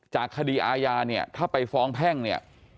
จากคดีอาญาเนี่ยถ้าไปฟ้องแพ่งเนี่ย